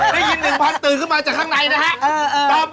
ได้ยินหนึ่งพันธุ์ตื่นขึ้นมาจากข้างในนะครับ